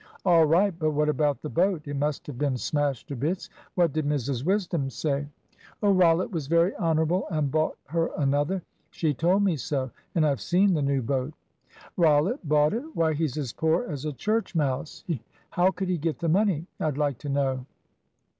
"All right; but what about the boat? It must have been smashed to bits. What did Mrs Wisdom say?" "Oh, Rollitt was very honourable and bought her another. She told me so and I've seen the new boat." "Rollitt bought it! Why, he's as poor as a church mouse. How could he get the money, I'd like to know?"